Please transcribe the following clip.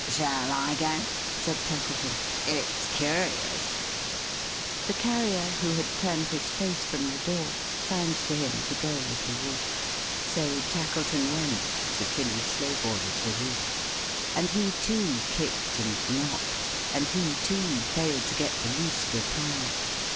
"Shall I go?" said Tackleton. "It's curious." The Carrier who had turned his face from the door, signed to him to go if he would. So Tackleton went to Tilly Slowboy's relief; and he too kicked and knocked; and he too failed to get the least reply.